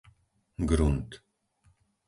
Grunt